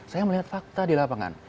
saya melihat fakta di lapangan